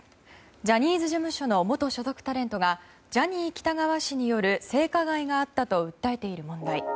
ジャニーズ事務所の元所属タレントがジャニー喜多川氏による性加害があったと訴えている問題。